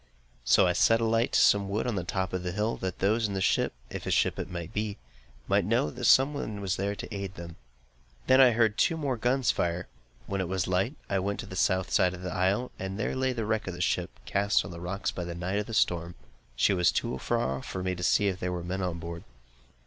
So I set a light to some wood on top of the hill, that those in the ship, if ship it should be, might know that some one was there to aid them. I then heard two more guns fire. When it was light, I went to the South side of the isle, and there lay the wreck of a ship, cast on the rocks in the night by the storm. She was too far off for me to see if there were men on board.